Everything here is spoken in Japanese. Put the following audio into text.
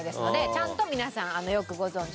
ちゃんと皆さんよくご存じな方で。